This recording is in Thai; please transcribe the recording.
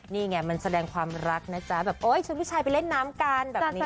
นี่ไงมันแสดงความรักนะจ๊ะแบบโอ๊ยชวนผู้ชายไปเล่นน้ำกันแบบนี้